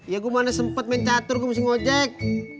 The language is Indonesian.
ya gue mana sempet mencatur gua mesti ngojek